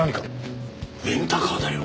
レンタカーだよ。